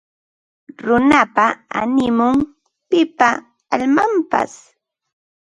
Runapa animun; pipa almanpas